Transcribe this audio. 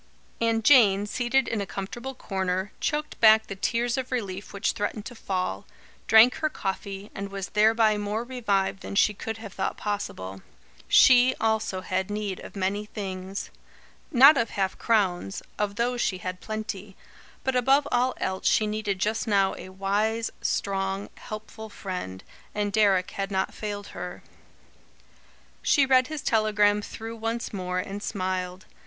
And Jane, seated in a comfortable corner, choked back the tears of relief which threatened to fall, drank her coffee, and was thereby more revived than she could have thought possible. She, also, had need of many things. Not of half crowns; of those she had plenty. But above all else she needed just now a wise, strong, helpful friend, and Deryck had not failed her. She read his telegram through once more, and smiled.